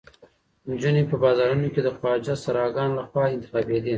نجونې په بازارونو کې د خواجه سراګانو لخوا انتخابېدې.